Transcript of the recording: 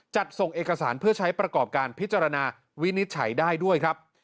ส่งเอกสารเพื่อใช้ประกอบการพิจารณาวินิจฉัยได้ด้วยครับ